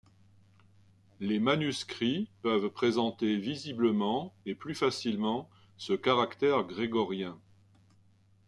Les manuscrits peuvent présenter visiblement et plus facilement ce caractère grégorien.